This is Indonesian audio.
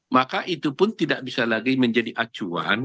maka itu pun tidak bisa lagi menjadi acuan